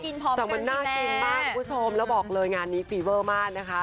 ใช่จริงบ้างคุณผู้ชมแล้วบอกเลยงานนี้ฟีเวอร์มากนะคะ